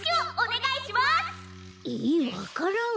えわか蘭！？